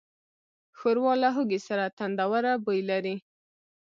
ښوروا له هوږې سره تندهوره بوی لري.